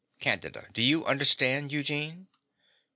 CANDIDA. Do you understand, Eugene?